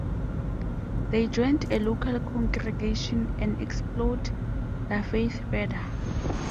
They joined a local congregation and explored their faith further.